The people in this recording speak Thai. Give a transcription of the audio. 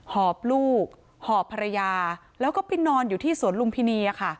หอบลูกหอบภรรยาแล้วก็ไปนอนอยู่ที่สวนลุมพินีค่ะ